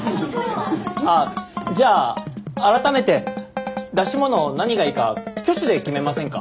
あっじゃあ改めて出し物何がいいか挙手で決めませんか？